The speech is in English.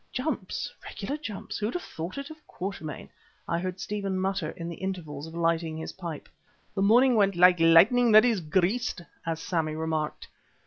"Jumps! Regular jumps! Who'd have thought it of Quatermain?" I heard Stephen mutter in the intervals of lighting his pipe. The morning went "like lightning that is greased," as Sammy remarked.